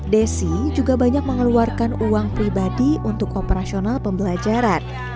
desi juga banyak mengeluarkan uang pribadi untuk operasional pembelajaran